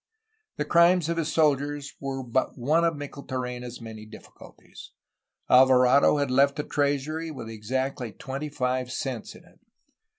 The crimes of his soldiers were but one of Micheltorena's many diflftculties. Alvarado had left the treasury with exactly twenty five cents in it.